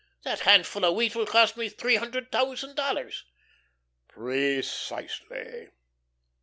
That handful of wheat will cost me three hundred thousand dollars." "Pre cisely."